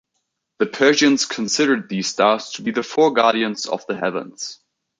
The Persians considered these stars to be the four guardians of the heavens.